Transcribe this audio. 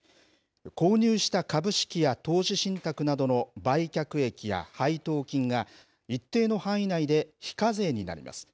購入した株式や投資信託などの売却益や配当金が一定の範囲内で非課税になります。